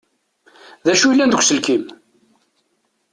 D acu yellan deg uelkim?